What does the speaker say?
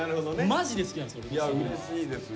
マジで好きなんです！